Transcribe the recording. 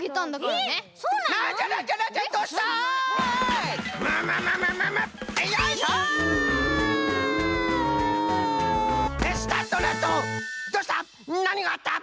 どうした！？